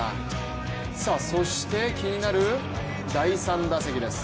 そして気になる第３打席です。